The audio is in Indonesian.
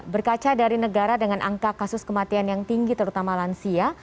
berkaca dari negara dengan angka kasus kematian yang tinggi terutama lansia